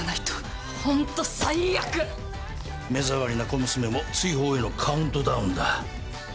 目障りな小娘も追放へのカウントダウンだ。